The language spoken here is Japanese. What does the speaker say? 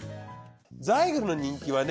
ザイグルの人気はね